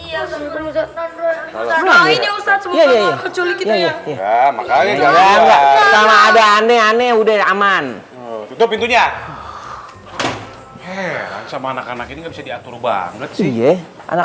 ya makanya ada aneh aneh udah aman itu pintunya sama anak anak ini bisa diatur banget sih anak